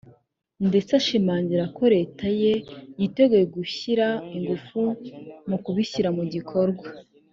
ndetse ashimangira ko Leta ye yiteguye gushyira ingufu mu kubishyira mu bikorwa